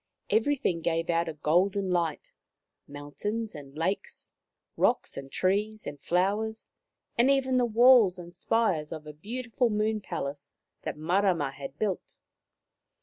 Everything gave out a golden light — mountains and lakes, rocks and trees and flowers, and even the walls and spires of a beautiful moon palace that Marama had built.